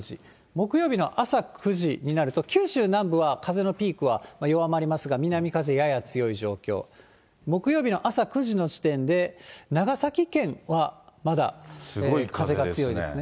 木曜日の朝９時になると、九州南部は風のピークは弱まりますが、南風、やや強い状況。木曜日の朝９時の時点で、長崎県はまだ風が強いですね。